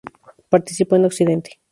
Participó en Occidente.